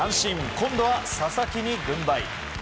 今度は佐々木に軍配。